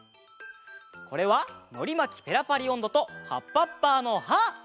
これは「のりまきペラパリおんど」と「はっぱっぱのハーッ！」。